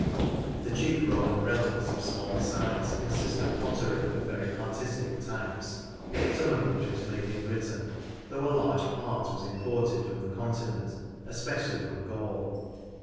The chief Roman relics of small size consist of pottery of very artistic types, some of which was made in Britain, though a large part was imported from the Continent, especially from Gaul.